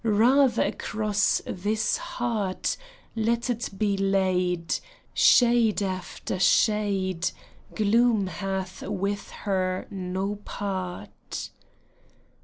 Rather across this heart Let it be laid, Shade after shade, Gloom hath with her no part.